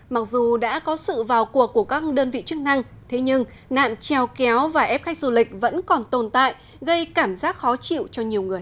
mặc dù đã có sự vào cuộc của các đơn vị chức năng thế nhưng nạn treo kéo và ép khách du lịch vẫn còn tồn tại gây cảm giác khó chịu cho nhiều người